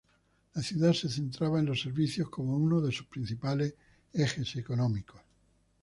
La ciudad se centraba en los servicios como uno de sus principales ejes económicos.